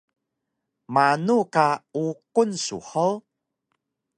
Manu ka uqun su hug?